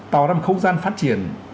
tạo ra một không gian phát triển